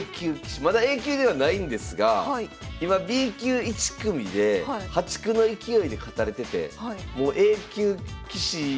まだＡ級ではないんですが今Ｂ級１組で破竹の勢いで勝たれててもうＡ級棋士目前。